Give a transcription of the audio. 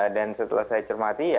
dan setelah saya cermati